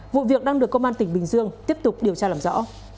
vụ việc đang được công an tỉnh bình dương tiếp tục điều tra làm rõ